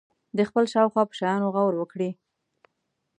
د خپل شاوخوا په شیانو غور وکړي.